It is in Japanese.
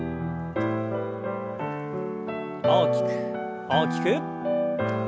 大きく大きく。